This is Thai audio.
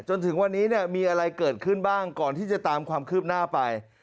จนถึงวันนี้มีอะไรเกิดขึ้นบ้างก่อนที่จะตามความคืบหน้าไป